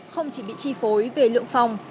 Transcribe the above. không chỉ bị chi phối về lượng phòng